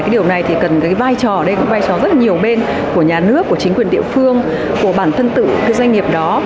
điều này thì cần cái vai trò đây cũng vai trò rất nhiều bên của nhà nước của chính quyền địa phương của bản thân tự cái doanh nghiệp đó